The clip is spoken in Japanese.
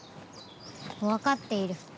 わかっている。